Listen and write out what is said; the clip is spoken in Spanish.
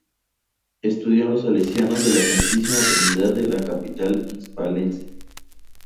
Estudió en los Salesianos de la Santísima Trinidad, en la capital hispalense.